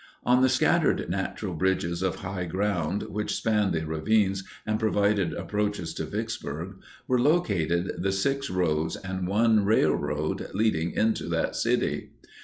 On the scattered natural bridges of high ground, which spanned the ravines and provided approaches to Vicksburg, were located the six roads and one railroad leading into that city.